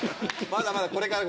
まだまだこれから。